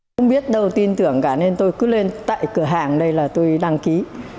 không biết đâu tin tưởng cả nên tôi cứ lên tại cửa hàng đây là tôi đăng ký